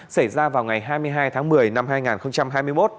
xảy ra vào ngày hai mươi hai tháng một mươi năm hai nghìn hai mươi một